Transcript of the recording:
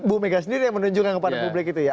bu mega sendiri yang menunjukkan kepada publik itu ya